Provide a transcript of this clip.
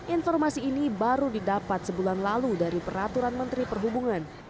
informasi ini baru didapat sebulan lalu dari peraturan menteri perhubungan